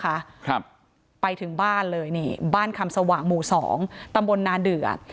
ครับไปถึงบ้านเลยนี่บ้านคำสว่างหมู่สองตำบลนาเดือด